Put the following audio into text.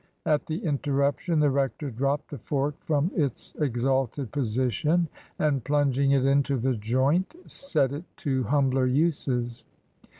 At the interruption the rector dropped the fork from its exalted position, and, plunging it into the joint, set it to humbler uses.